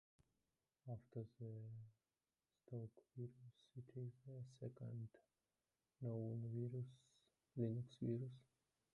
After the Staog virus it is the second known Linux virus.